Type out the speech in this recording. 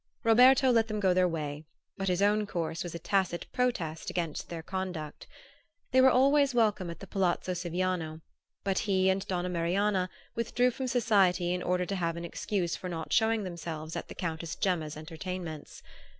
Roberto let them go their way, but his own course was a tacit protest against their conduct. They were always welcome at the palazzo Siviano; but he and Donna Marianna withdrew from society in order to have an excuse for not showing themselves at the Countess Gemma's entertainments.